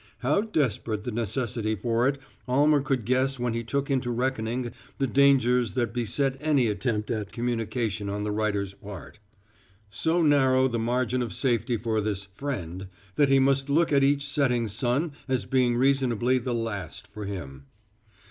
How desperate the necessity for it Almer could guess when he took into reckoning the dangers that beset any attempt at communication on the writer's part. So narrow the margin of safety for this "friend" that he must look at each setting sun as being reasonably the last for him.